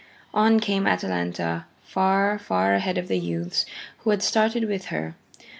On came Atalanta, far, far ahead of the youths who had started with her.